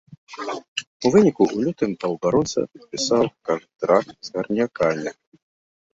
У выніку, у лютым паўабаронца падпісаў кантракт з гарнякамі.